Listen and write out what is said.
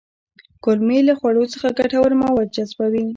کولمې له خوړو څخه ګټور مواد جذبوي